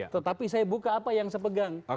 tetapi saya buka apa yang sepegang